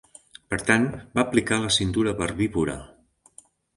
Per tant, va aplicar la "cintura verbívora".